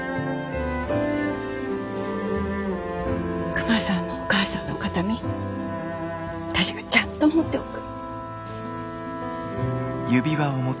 クマさんのお母さんの形見私がちゃんと持っておく。